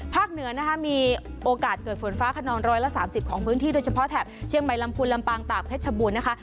เหนือนะคะมีโอกาสเกิดฝนฟ้าขนองร้อยละ๓๐ของพื้นที่โดยเฉพาะแถบเชียงใหม่ลำพูนลำปางตากเพชรบูรณ์นะคะ